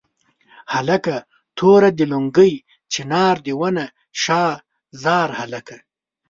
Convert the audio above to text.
هلکه توره دې لونګۍ چنار دې ونه شاه زار هلکه.